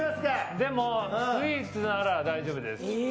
スイーツなら大丈夫です。